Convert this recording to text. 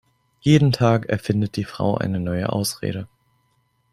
Jeden Tag erfindet die Frau eine neue Ausrede.